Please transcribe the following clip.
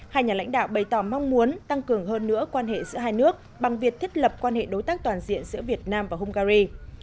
hai nhà lãnh đạo bày tỏ mong muốn tăng cường hơn nữa quan hệ giữa hai nước bằng việc thiết lập quan hệ đối tác toàn diện giữa việt nam và hungary